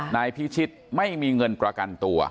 นายพิชิตไม่มีเงินประกันตัว